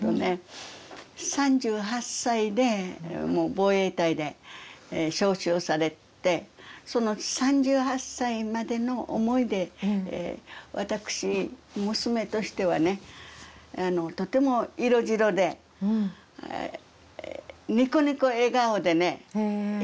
３８歳で防衛隊で召集されてその３８歳までの思い出私娘としてはねとても色白でニコニコ笑顔でね優しい。